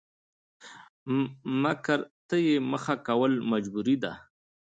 مکر ته يې مخه کول مجبوري ده؛